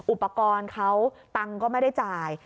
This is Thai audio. อุปกรณ์เขาตังค์ก็ไม่ได้จ่าย